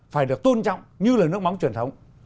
phải được tôn trọng như là nước mắm truyền thống